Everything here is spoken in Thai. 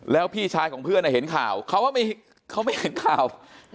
แล้วพี่ชายของเพื่อนเห็นข่าวเขาไม่เห็นข่าว